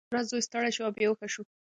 یوه ورځ زوی ستړی شو او بېهوښه شو.